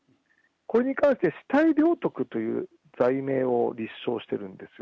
これに関して、死体領得という罪名を立証してるんですよ。